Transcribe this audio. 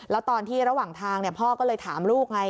แล้วตอนที่ระหว่างทางพ่อก็เลยถามลูกไง